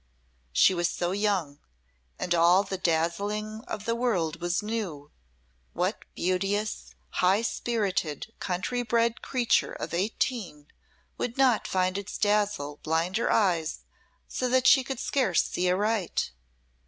She was so young, and all the dazzling of the world was new. What beauteous, high spirited, country bred creature of eighteen would not find its dazzle blind her eyes so that she could scarce see aright?